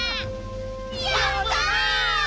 やった！